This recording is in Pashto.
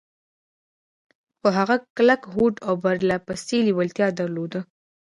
خو هغه کلک هوډ او پرله پسې لېوالتيا درلوده.